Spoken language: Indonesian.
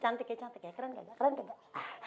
cantik ya cantik ya keren gak ya keren gak